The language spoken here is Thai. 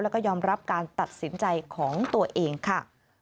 แล้วก็ยอมรับการตัดสินใจของตัวเองค่ะ